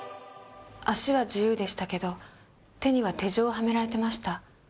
足は自由でしたけど手には手錠をはめられてました。